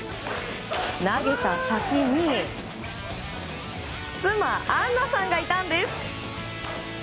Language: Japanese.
投げた先に妻・杏奈さんがいたんです。